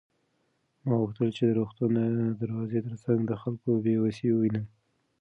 ما غوښتل چې د روغتون د دروازې تر څنګ د خلکو بې وسي ووینم.